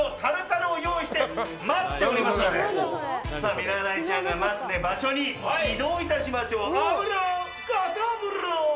見習いちゃんが待つ場所に移動いたしましょう。